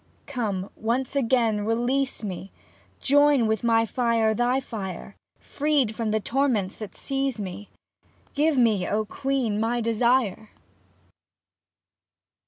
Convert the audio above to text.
Come, once again to release me, Join with my fire thy fire. Freed from the torments that seize me. Give me, O Queen ! my desire